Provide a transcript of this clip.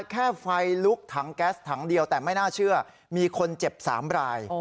แค่ไฟลุกถังแก๊สถังเดียวแต่ไม่น่าเชื่อมีคนเจ็บ๓ราย